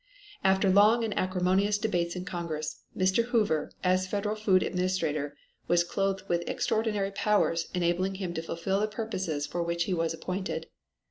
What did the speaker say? After long and acrimonious debates in Congress, Mr. Hoover, as Federal Food Administrator, was clothed with extraordinary powers enabling him to fulfil the purposes for which he was appointed.